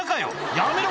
やめろ